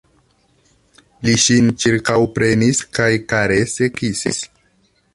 Li ŝin ĉirkaŭprenis kaj karese kisis.